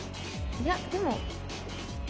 いやでも。